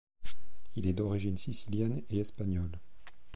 Il est d'origine sicilienne et espagnole.